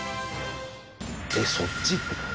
えっそっち？って感じ。